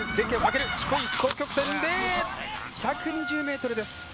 １２０ｍです。